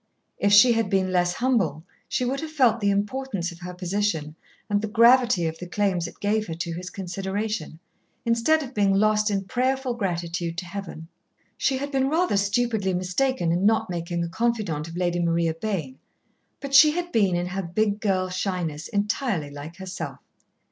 If she had been less humble she would have felt the importance of her position and the gravity of the claims it gave her to his consideration, instead of being lost in prayerful gratitude to heaven. She had been rather stupidly mistaken in not making a confidante of Lady Maria Bayne, but she had been, in her big girl shyness, entirely like herself.